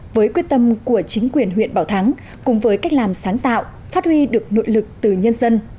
với quyết tâm của chính quyền huyện bảo thắng cùng với cách làm sáng tạo phát huy được nội lực từ nhân dân